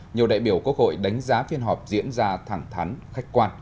nhiều đại biểu quốc hội đánh giá phiên họp diễn ra thẳng thắn khách quan